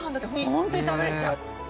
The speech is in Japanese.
ホントに食べられちゃう。